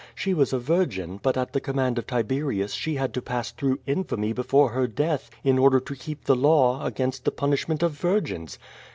She was a virgin, but at the com mand of Tiberius she had to pass through infamy before her death, in order to keep the law, against the punishment of virgins.